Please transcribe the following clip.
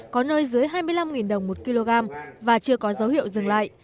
có nơi dưới hai mươi năm đồng một kg và chưa có dấu hiệu dừng lại